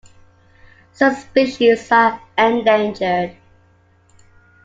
Some species are endangered.